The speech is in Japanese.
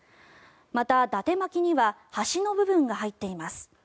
また、だて巻きには端の部分が入っています。